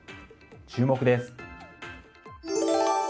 注目です。